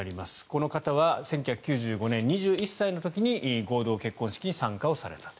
この方は１９９５年、２１歳の時に合同結婚式に参加された。